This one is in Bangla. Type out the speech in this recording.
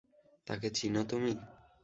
তাকে চিনো তুমি?